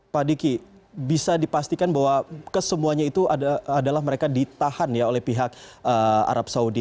pak diki bisa dipastikan bahwa kesemuanya itu adalah mereka ditahan oleh pihak arab saudi